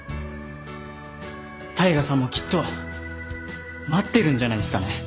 大海さんもきっと待ってるんじゃないっすかね？